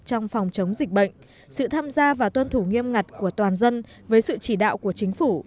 trong phòng chống dịch bệnh sự tham gia và tuân thủ nghiêm ngặt của toàn dân với sự chỉ đạo của chính phủ